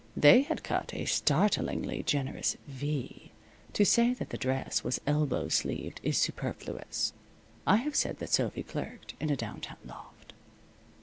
They had cut a startlingly generous V. To say that the dress was elbow sleeved is superfluous. I have said that Sophy clerked in a downtown loft.